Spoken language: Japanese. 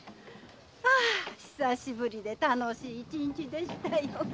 ああ久しぶりで楽しい一日でしたよ。